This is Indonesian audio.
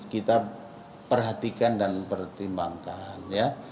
kita perhatikan dan pertimbangkan